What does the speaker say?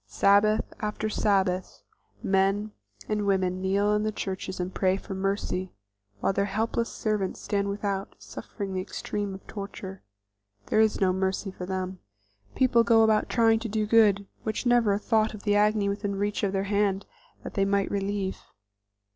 Sabbath after Sabbath men and women kneel in the churches and pray for mercy, while their helpless servants stand without, suffering the extreme of torture. There is no mercy for them. People go about trying to do good, with never a thought of the agony within reach of their hand that they might relieve.